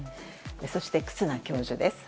そして忽那教授です。